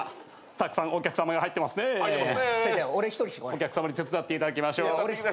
お客さまに手伝っていただきましょう。